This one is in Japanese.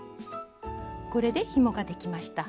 これでひもができました。